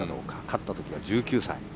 勝った時は１９歳。